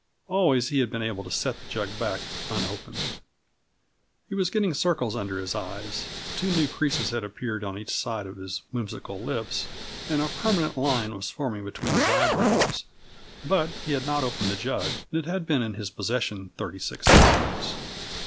Always he had been able to set the jug back unopened. He was getting circles under his eyes, two new creases had appeared on each side of his whimsical lips, and a permanent line was forming between his eyebrows; but he had not opened the jug, and it had been in his possession thirty six hours.